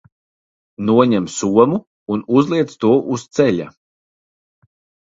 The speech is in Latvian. Noņem somu un uzliec to uz ceļa.